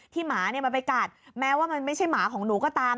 หมามันไปกัดแม้ว่ามันไม่ใช่หมาของหนูก็ตาม